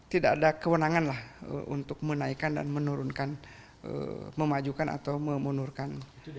tidak ada kewenangan lah untuk menaikkan dan menurunkan memajukan atau memunurkan